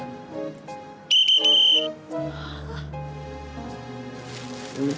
padahal kakek ini gue